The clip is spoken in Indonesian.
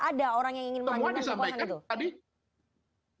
ada orang yang ingin melanggengkan kekuasaan itu